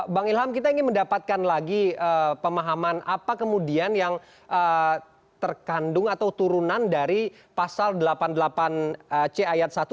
bang ilham kita ingin mendapatkan lagi pemahaman apa kemudian yang terkandung atau turunan dari pasal delapan puluh delapan c ayat satu